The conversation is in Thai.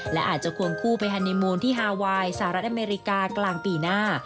และอาจจะควงคู่ไปฮันนิมูลที่ฮาไวน์สหรัฐอเมริกากลางปีหน้า